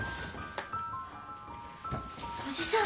おじさん！